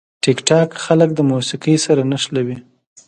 ټیکټاک خلک د موسیقي سره نښلوي.